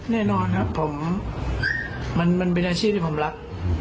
แน่นอนครับผมมันเป็นอาชีพที่ผมรัก